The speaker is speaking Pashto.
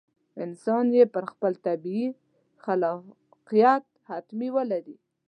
انسان یې پر خپل طبیعي خلاقیت حتمي ولري.